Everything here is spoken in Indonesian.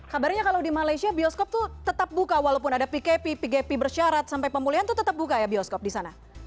kabarnya kalau di malaysia bioskop itu tetap buka walaupun ada pkp pgp bersyarat sampai pemulihan itu tetap buka ya bioskop di sana